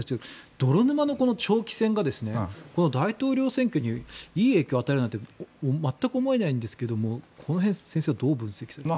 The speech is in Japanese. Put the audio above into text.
泥沼の長期戦が大統領選挙にいい影響を与えるなんて全く思えないんですけど、この辺先生はどう分析されますか？